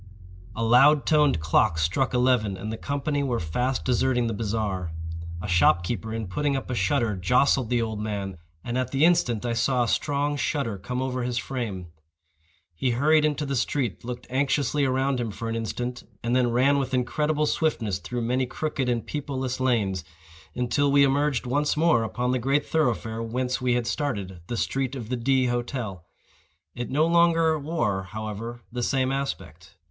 A loud toned clock struck eleven, and the company were fast deserting the bazaar. A shop keeper, in putting up a shutter, jostled the old man, and at the instant I saw a strong shudder come over his frame. He hurried into the street, looked anxiously around him for an instant, and then ran with incredible swiftness through many crooked and people less lanes, until we emerged once more upon the great thoroughfare whence we had started—the street of the D—— Hotel. It no longer wore, however, the same aspect.